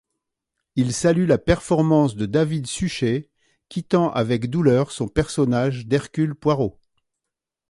Il salue la performance de David Suchet, quittant avec douleur son personnage d'Hercule Poirot.